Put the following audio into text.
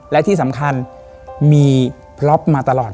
และที่สำคัญมีพล็อปมาตลอด